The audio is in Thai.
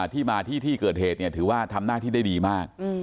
ที่มาที่ที่เกิดเหตุถือว่าทำหน้าที่ได้ดีมาก